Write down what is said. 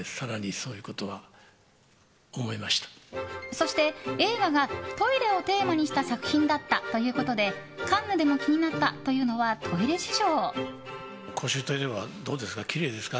そして、映画がトイレをテーマにした作品だったということでカンヌでも気になったというのはトイレ事情。